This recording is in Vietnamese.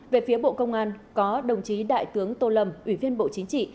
về phía bộ công an có đồng chí đại tướng tô lâm ủy viên bộ chính trị